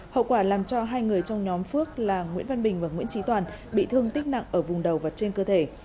hậu quả làm cho hai người trong nhóm phước là nguyễn văn bình và nguyễn trí toàn bị thương tích nặng ở vùng đầu và trên cơ thể